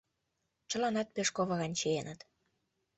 Чыланат пеш ковыран чиеныт.